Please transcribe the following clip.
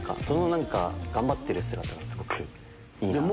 その頑張ってる姿がすごくいい。